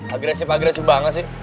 agresif agresif banget sih